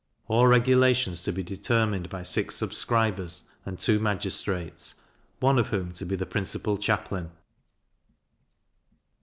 All regulations to be determined by six subscribers, and two magistrates, one of whom to be the principal chaplain.